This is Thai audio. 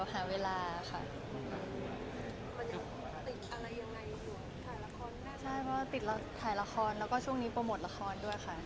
ใช่เพราะว่าติดถ่ายละครแล้วก็ช่วงนี้โปรโมทละครด้วยค่ะ